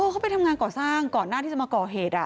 เขาไปทำงานก่อสร้างก่อนหน้าที่จะมาก่อเหตุ